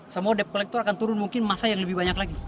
semua debt collector akan turun mungkin masa yang lebih banyak lagi